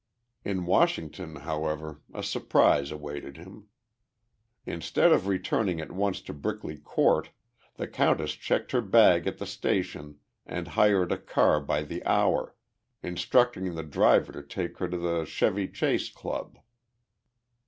In Washington, however, a surprise awaited him. Instead of returning at once to Brickley Court, the countess checked her bag at the station and hired a car by the hour, instructing the driver to take her to the Chevy Chase Club.